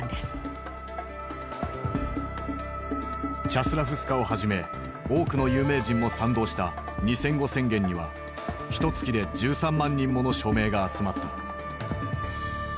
チャスラフスカをはじめ多くの有名人も賛同した「二千語宣言」にはひとつきで１３万人もの署名が集まった。